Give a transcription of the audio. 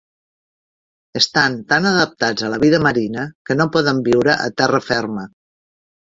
Estan tan adaptats a la vida marina que no poden viure a terra ferma.